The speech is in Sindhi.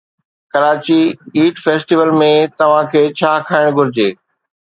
ڪراچي ايٽ فيسٽيول ۾ توهان کي ڇا کائڻ گهرجي؟